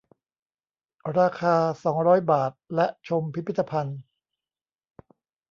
ราคา สองร้อย บาท และชมพิพิธภัณฑ์